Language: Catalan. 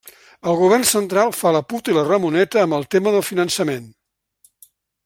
El Govern central fa la puta i la Ramoneta amb el tema del finançament.